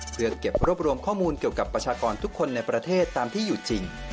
เพื่อเก็บรวบรวมข้อมูลเกี่ยวกับประชากรทุกคนในประเทศตามที่อยู่จริง